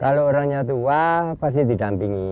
kalau orangnya tua pasti didampingi